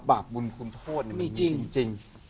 บาปบุญคุณโทษนี่มีจริง